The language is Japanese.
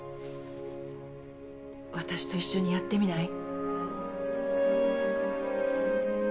私と一緒にやってみない？